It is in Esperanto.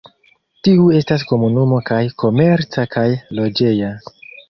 Tiu estas komunumo kaj komerca kaj loĝeja.